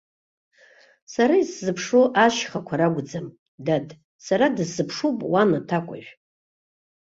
Сара исзыԥшу ашьхақәа ракәӡам, дад, сара дысзыԥшуп уан аҭакәажә.